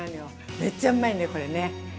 めっちゃうまいのよ、これね。